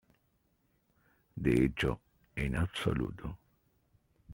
De hecho, en absoluto.